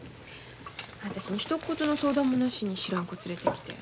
私にひと言の相談もなしに知らん子連れてきて。